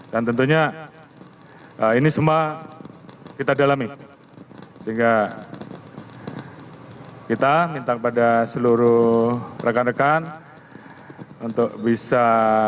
dan tentunya ini semua kita dalami sehingga kita minta kepada seluruh rekan rekan untuk bisa